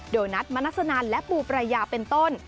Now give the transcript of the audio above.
โดนัทมนัสนันและปูปรายาเป็นต้น